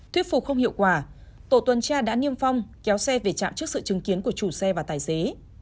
thuyết phục không hiệu quả tổ tuần tra đã niêm phong kéo xe về trạm trước sự chứng kiến của chủ xe và tài xế